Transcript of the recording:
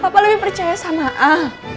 papa lebih percaya sama ah